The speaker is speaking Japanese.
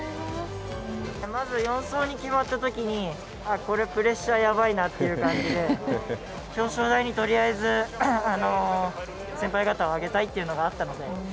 まず４走に決まった時にこれはプレッシャーやばいなっていう感じで表彰台にとりあえず、先輩方を上げたいってのがあったので。